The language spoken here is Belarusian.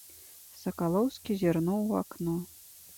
Сакалоўскі зірнуў у акно.